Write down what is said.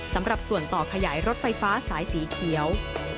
สำหรับส่วนต่อขยายรถไฟฟ้าสายสีเขียว